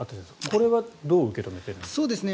これはどう受け止めているんですか？